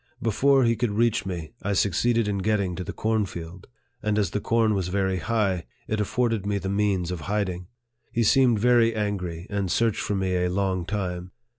Before he could reach me, I succeeded in getting to the cornfield ; and as the corn was very high, it afforded me the means of hiding. He seemed very angry, and searched for me a long time.